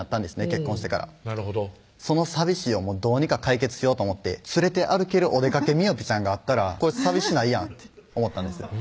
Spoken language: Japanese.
結婚してからその寂しい思いどうにか解決しようと思って連れて歩けるお出かけみおぴちゃんがあったら寂しないやんって思ったんですよ